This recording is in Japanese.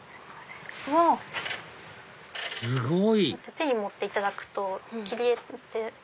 手に持っていただくと切り絵って。